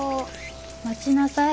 待ちなさい。